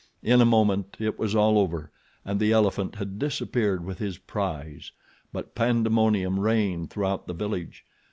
In a moment it was all over, and the elephant had disappeared with his prize; but pandemonium reigned throughout the village.